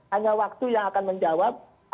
hanya waktu yang akan menjawab